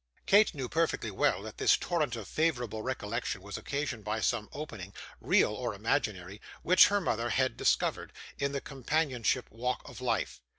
Kate knew, perfectly well, that this torrent of favourable recollection was occasioned by some opening, real or imaginary, which her mother had discovered, in the companionship walk of life.